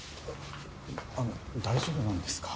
あの大丈夫なんですか？